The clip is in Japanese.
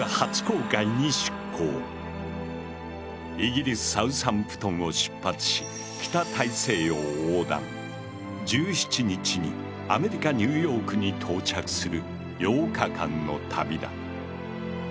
イギリス・サウサンプトンを出発し北大西洋を横断１７日にアメリカ・ニューヨークに到着する８日間の旅だ。